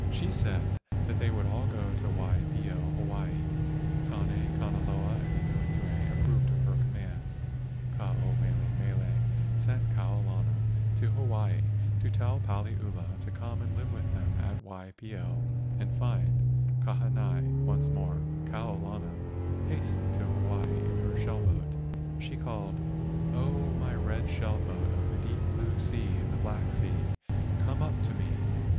She said that they would all go to Waipio, Hawaii. Kane, Kanaloa, and Anuenue approved of her commands. Ke ao mele mele sent Kau lana to Hawaii to tell Paliula to come and live with them at Waipio 148 LEGENDS OF GHOSTS and find Kahanai once more. Kau lana has¬ tened to Hawaii in her shell boat. She called, "O my red shell boat of the deep blue sea and the black sea, come up to me."